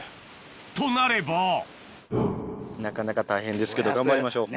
となればなかなか大変ですけど頑張りましょう。